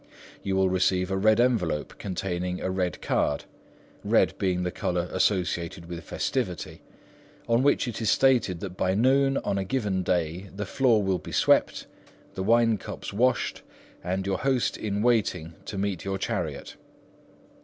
You will receive a red envelope containing a red card,—red being the colour associated with festivity,—on which it is stated that by noon on a given day the floor will be swept, the wine cups washed, and your host in waiting to meet your chariot.